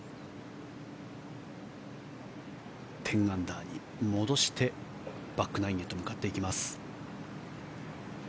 １０アンダーに戻してバックナインへと向かっていきます。